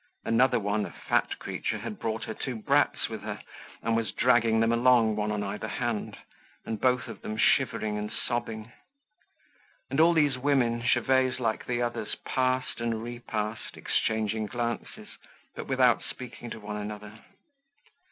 Another one, a fat creature, had brought her two brats with her and was dragging them along, one on either hand, and both of them shivering and sobbing. And all these women, Gervaise like the others, passed and repassed, exchanging glances, but without speaking to one another.